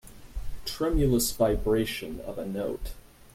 Tremulous vibration of a note.